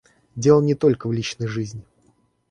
Дело не только в личной жизни.